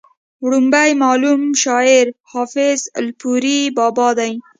وړومبی معلوم شاعر حافظ الپورۍ بابا دی